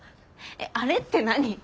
えっあれって何？